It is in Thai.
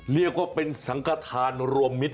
เรียกว่าเป็นสังกฐานรวมมิตร